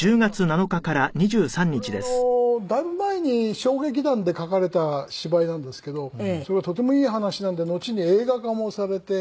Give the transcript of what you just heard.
これはだいぶ前に小劇団で書かれた芝居なんですけどすごいとてもいい話なんでのちに映画化もされて。